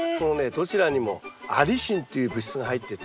どちらにもアリシンという物質が入ってて。